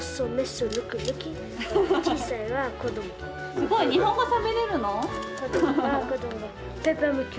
すごい日本語しゃべれるの？